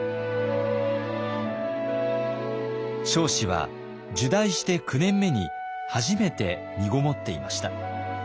彰子は入内して９年目に初めてみごもっていました。